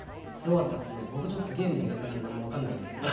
僕、ちょっとゲーム苦手なんで、あんま分かんないんですけど。